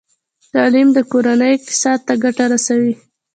تعلیم د کورنۍ اقتصاد ته ګټه رسوي۔